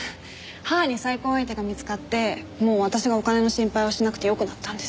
母に再婚相手が見つかってもう私がお金の心配をしなくてよくなったんです。